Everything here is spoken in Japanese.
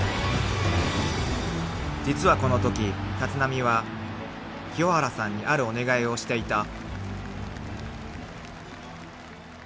［実はこのとき立浪は清原さんにあるお願いをしていた］